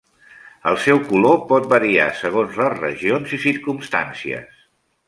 El seu color pot variar segons les regions i circumstàncies.